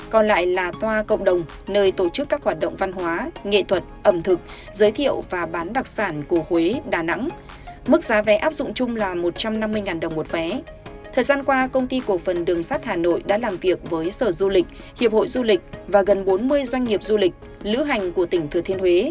còn lại là toa cộng đồng nơi tổ chức các hoạt động văn hóa nghệ thuật ẩm thực giới thiệu